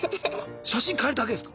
写真替えるだけですか？